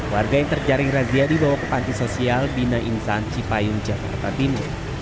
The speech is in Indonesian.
warga yang terjaring razia dibawa ke panti sosial bina insan cipayung jakarta timur